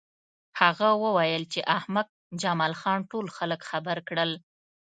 هغه وویل چې احمق جمال خان ټول خلک خبر کړل